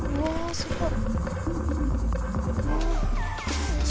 すごい！